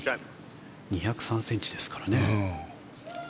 ２０３ｃｍですからね。